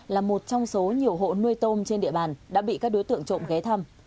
là một trong số nhiều hộ nuôi tôm trên địa bàn đã bị các đối tượng trộm ghé thăm